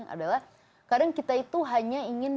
adalah kadang kita itu hanya ingin